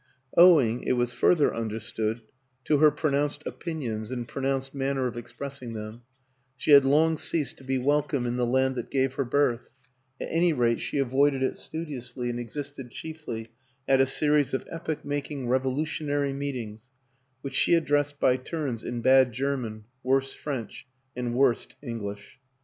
Owing, it was further understood, to her pronounced opinions and pronounced manner of expressing them, she had long ceased to be wel come in the land that gave her birth; at any rate, she avoided it studiously and existed chiefly at a series of epoch making revolutionary meetings which she addressed by turns in bad German, worse French, and worst English.